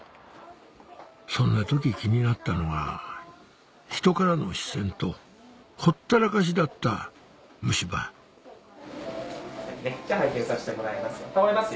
そんな時気になったのが人からの視線とほったらかしだった虫歯拝見させてもらいます